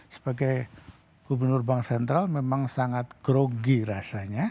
sebagai gubernur bank sentral memang sangat grogi rasanya